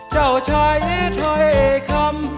เจ้าชายถ้อยคำ